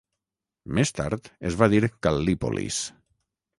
Més tard es va dir Cal·lípolis.